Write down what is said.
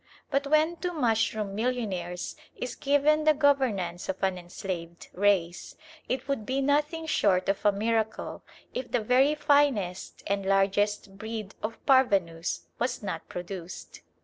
But when to mushroom millionaires is given the governance of an enslaved race, it would be nothing short of a miracle if the very finest and largest breed of parvenus was not produced.